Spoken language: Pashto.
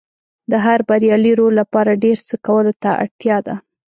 د هر بریالي رول لپاره ډېر څه کولو ته اړتیا ده.